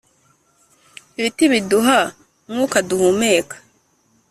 ibiti biduha mwuka duhumeka